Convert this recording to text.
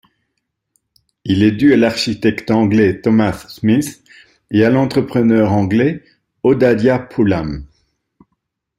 Il est dû à l'architecte anglais Thomas Smith et à l'entrepreneur anglais Odadhia Pulham.